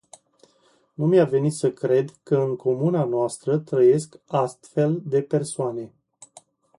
Nu mi-a venit să cred că în comuna noastră trăiesc astfel de persoane.